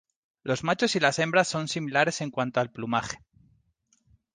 Los machos y las hembras son similares en cuanto al plumaje.